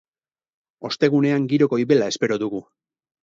Ostegunean giro goibela espero dugu.